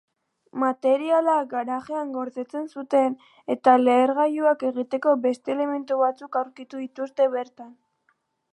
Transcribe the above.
Materiala garajean gordetzen zuten eta lehergailuak egiteko beste elementu batzuk aurkitu dituzte bertan.